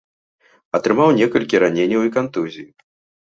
Атрымаў некалькі раненняў і кантузій.